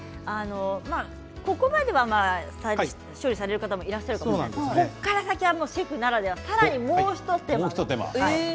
ここまでは処理される方いらっしゃるんですがここから、さらにシェフならではのもう一手間です。